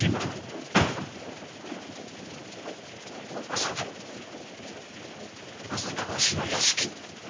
まさかまさかわしの屋敷に。